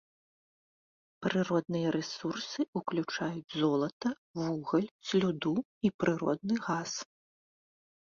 Прыродныя рэсурсы ўключаюць золата, вугаль, слюду і прыродны газ.